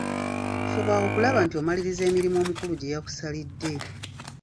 Fuba okulaba nti omaliririza emirimu omukulu gye yakusalidde.